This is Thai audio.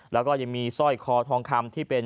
แล้วก็ยังมีสร้อยคอทองคำที่เป็น